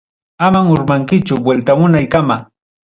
Amam urmankichu, vueltamunaykama.